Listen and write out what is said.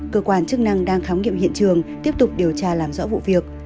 cơ quan chức năng đang khám nghiệm hiện trường tiếp tục điều tra làm rõ vụ việc